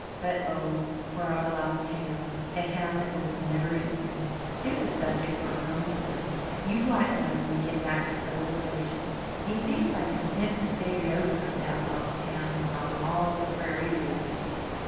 But, oh, for our lost ham! 'The Ham That Was Never Eaten.' There's a subject for a poem, Phil. You write one when we get back to civilization. Methinks I can sniff the savoury odour of that lost ham on all the prairie breezes."